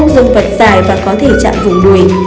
dương vật dài và có thể chạm vùng đuối